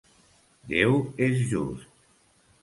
Déu és just.